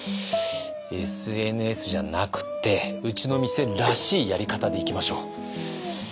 ＳＮＳじゃなくてうちの店らしいやり方でいきましょう。